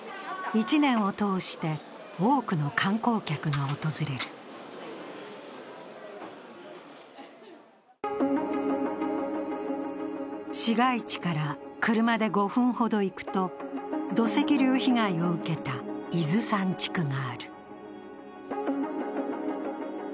１年を通して多くの観光客が訪れる市街地から車で５分ほど行くと土石流被害を受けた伊豆山地区がある。